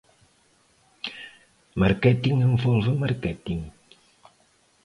Marketing envolve marketing.